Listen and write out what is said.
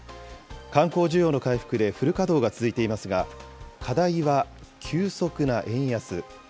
観光需要の回復でフル稼働が続いていますが、課題は急速な円安。